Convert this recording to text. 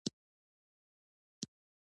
حاجي معلم صاحب به کور ته بېول.